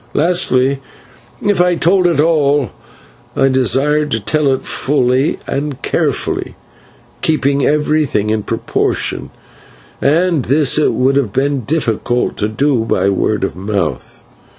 Lastly, if I told it at all, I desired to tell it fully and carefully, keeping everything in proportion, and this it would have been difficult to do by word of mouth.